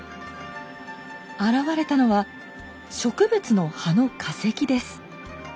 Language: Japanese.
現れたのは植物の葉の化石です。